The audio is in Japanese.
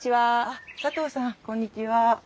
あっ佐藤さんこんにちは。